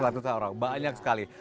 ratusan orang banyak sekali